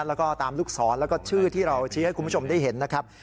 แล้วก็ตามลูกศรแล้วก็ชื่อที่เราชี้ให้คุณผู้ชมได้เห็นนะครับ